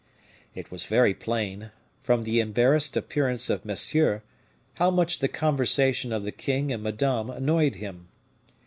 It was very plain, from the embarrassed appearance of Monsieur, how much the conversation of the king and Madame annoyed him.